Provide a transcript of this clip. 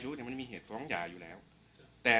ช่างแอร์เนี้ยคือล้างหกเดือนครั้งยังไม่แอร์